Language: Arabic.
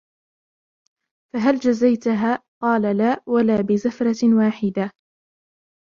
فَهَلْ جَزَيْتهَا ؟ قَالَ لَا وَلَا بِزَفْرَةٍ وَاحِدَةٍ